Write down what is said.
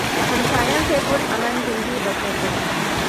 ہمسایوں سے پر امن زندگی بسر کریں